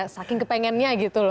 saking kepinginnya gitu loh